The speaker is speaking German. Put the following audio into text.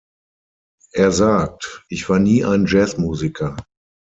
Er sagt: „Ich war nie ein Jazzmusiker.